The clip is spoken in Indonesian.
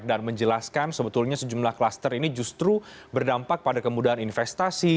dan menjelaskan sebetulnya sejumlah klaster ini justru berdampak pada kemudahan investasi